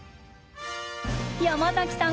山崎さん